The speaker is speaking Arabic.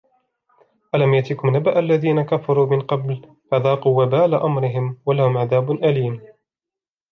ألم يأتكم نبأ الذين كفروا من قبل فذاقوا وبال أمرهم ولهم عذاب أليم